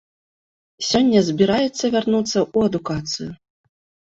Сёння збіраецца вярнуцца ў адукацыю.